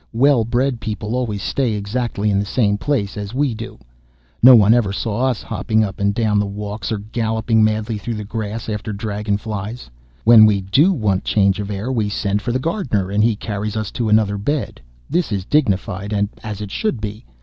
Well bred people always stay exactly in the same place, as we do. No one ever saw us hopping up and down the walks, or galloping madly through the grass after dragon flies. When we do want change of air, we send for the gardener, and he carries us to another bed. This is dignified, and as it should be.